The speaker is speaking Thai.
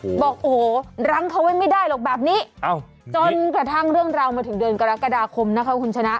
บอกโอ้โหรั้งเขาไว้ไม่ได้หรอกแบบนี้จนกระทั่งเรื่องราวมาถึงเดือนกรกฎาคมนะคะคุณชนะ